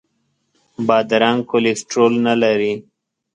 بادرنګ کولیسټرول نه لري.